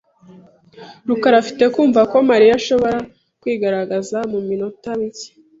rukara afite kumva ko Mariya ashobora kwigaragaza mu minota mike .